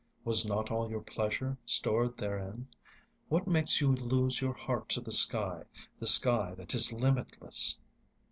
Was not all your pleasure stored therein? What makes you lose your heart to the sky, the sky that is limitless?